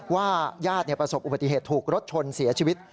ญาติประสบอุบัติเหตุถูกรถชนเสียชีวิต